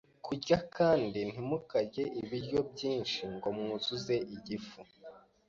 kurya kandi ntimukarye ibiryo byinshi ngo mwuzuze igifu